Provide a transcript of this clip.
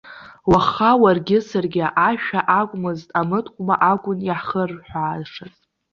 Уаха уаргьы саргьы ашәа акәмызт, амыткәма акәын иаҳхырҳәаашаз.